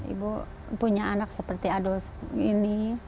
ibu punya anak seperti adul ini